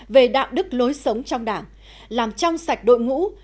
về đạo đức lối sống trong đảng làm trong sạch đội ngũ